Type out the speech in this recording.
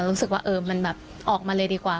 รู้สึกว่ามันออกมาเลยดีกว่า